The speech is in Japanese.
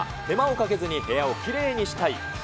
手間をかけずに部屋をきれいにしたい。